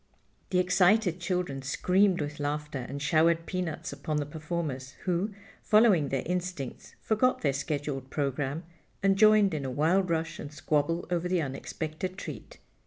The excited children screamed with laughter and showered peanuts upon the performers, who, following their instincts, forgot their scheduled program and joined in a wild rush and squabble over the unexpected treat.